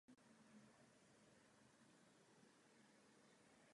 Přemysl žádost o pomoc vyslyšel a vpadl do Bavorska.